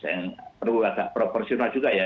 yang perlu agak proporsional juga ya